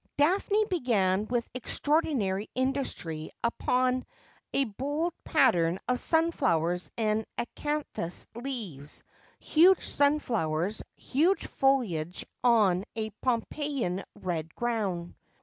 Daphne began with extraordinary industry upon a bold pattern of sunflowers and acanthus leaves, huge sunflowers, huge foliage, on a Pompeian red ground.